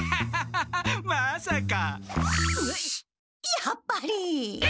やっぱり！